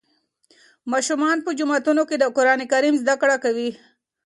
ماشومان په جوماتونو کې د قرآن کریم زده کړه کوي.